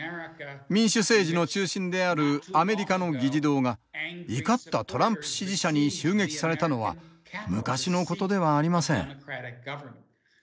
民主政治の中心であるアメリカの議事堂が怒ったトランプ支持者に襲撃されたのは昔のことではありません。